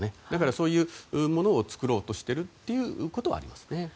だから、そういうものを作ろうとしているということはありますね。